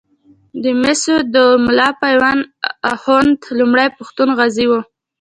د مسودو ملا پوونده اخُند لومړی پښتون غازي وو.